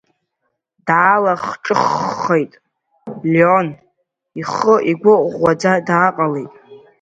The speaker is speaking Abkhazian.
Даалахҿыххеит Леон, ихы-игәы ӷәӷәаӡа дааҟалеит.